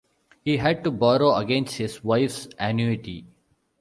He had to borrow against his wife's annuity.